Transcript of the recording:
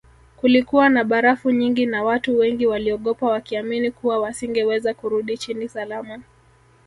Kulikuwa na barafu nyingi na watu wengi waliogopa wakiamini kuwa wasingeweza kurudi chini salama